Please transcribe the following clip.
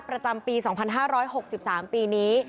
ประจำปี๒๕๖๓ปีนี้